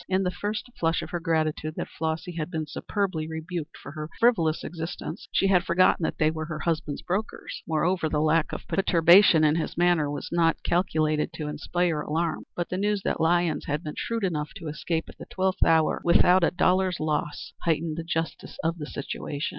In the first flush of her gratitude that Flossy had been superbly rebuked for her frivolous existence, she had forgotten that they were her husband's brokers. Moreover the lack of perturbation in his manner was not calculated to inspire alarm. But the news that Lyons had been shrewd enough to escape at the twelfth hour without a dollar's loss heightened the justice of the situation.